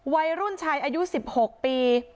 วัยรุ่นชายอายุ๑๖ปี